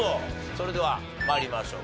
それでは参りましょう。